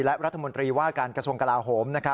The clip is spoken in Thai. และรัฐมนตรีว่าการกระทรวงกลาโหม